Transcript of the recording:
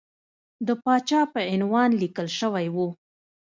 د پاچا په عنوان لیکل شوی وو.